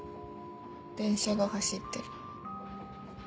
電車が走ってる。